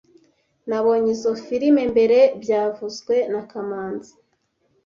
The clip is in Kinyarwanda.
Nabonye izoi firime mbere byavuzwe na kamanzi